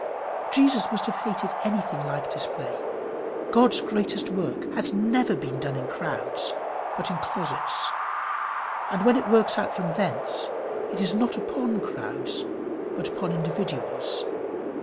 Jesus must have hated anything like display. God's greatest work has never been done in crowds, but in closets; and when it works out from thence, it is not upon crowds, but upon individuals.